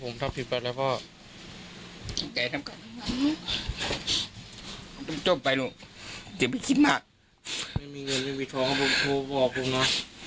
ไม่มีเงินไม่มีท้องพ่อบอกผมนะ